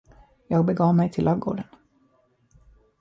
Jag begav mig till ladugården.